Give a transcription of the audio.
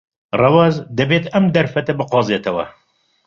ڕەوەز دەبێت ئەم دەرفەتە بقۆزێتەوە.